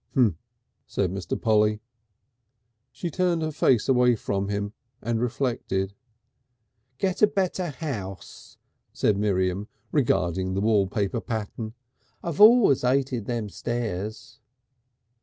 "H'm," said Mr. Polly. She turned her face away from him and reflected. "Get a better house," said Miriam, regarding the wallpaper pattern. "I've always 'ated them stairs."